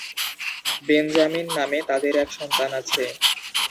Benjamin নামে তাঁদের এক সন্তান আছে।